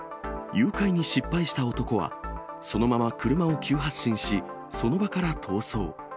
誘拐に失敗した男は、そのまま車を急発進し、その場から逃走。